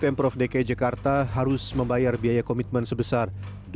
m prof dki jakarta harus membayar biaya komitmen sebesar